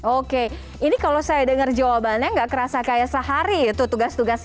oke ini kalau saya dengar jawabannya nggak kerasa kayak sehari itu tugas tugasnya